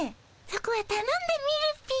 そこはたのんでみるっピ。